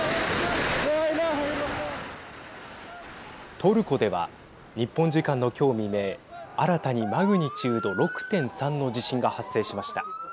トルコでは日本時間の今日未明新たにマグニチュード６．３の地震が発生しました。